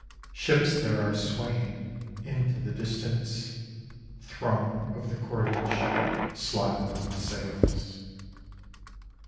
Ships there are swaying, Into the distance, Thrum of the cordage, Slap of the sails.